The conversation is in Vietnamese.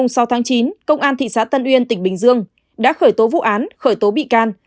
ngày sáu tháng chín công an thị xã tân uyên tỉnh bình dương đã khởi tố vụ án khởi tố bị can